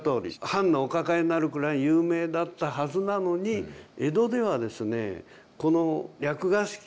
藩のお抱えになるくらい有名だったはずなのに江戸ではですね